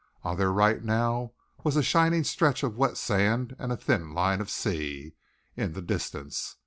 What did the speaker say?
On their right now was a shimmering stretch of wet sand and a thin line of sea, in the distance.